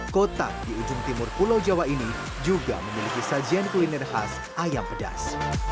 kota di ujung timur pulau jawa ini juga memiliki sajian kuliner khas ayam pedas